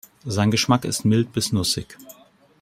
Sein Geschmack ist mild bis nussig.